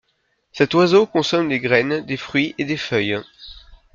Cet oiseau consomme des graines, des fruits et des feuilles.